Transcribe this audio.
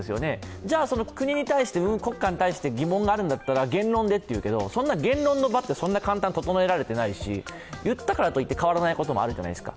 じゃあ国・国家に対して疑問があるんだったら言論でというけど、言論の場ってそんなに簡単に整えられていないし言ったからといって変わらないことも多いじゃないですか。